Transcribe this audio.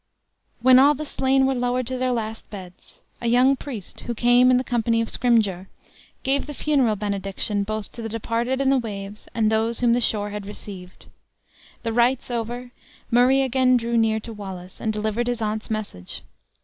When all the slain were lowered to their last beds, a young priest, who came in the company of Scrymgeour, gave the funeral benediction both to the departed in the waves, and those whom the shore had received. The rites over, Murray again drew near to Wallace and delivered his aunt's message.